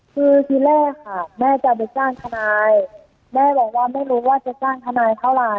คือทีแรกค่ะแม่จะไปจ้างทนายแม่บอกว่าไม่รู้ว่าจะจ้างทนายเท่าไหร่